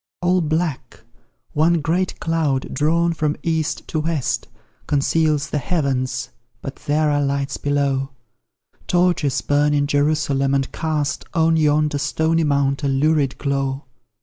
All black one great cloud, drawn from east to west, Conceals the heavens, but there are lights below; Torches burn in Jerusalem, and cast On yonder stony mount a lurid glow.